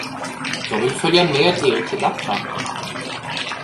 Jag vill följa med er till Lappland.